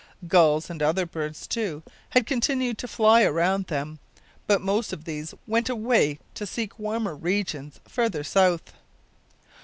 Gulls and other birds, too, had continued to fly around them; but most of these went away to seek warmer regions farther south.